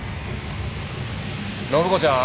暢子ちゃん。